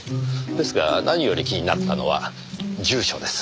ですが何より気になったのは住所です。